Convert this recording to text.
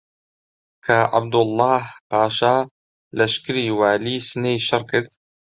کە عەبدوڵڵاهـ پاشا لەشکری والیی سنەی شڕ کرد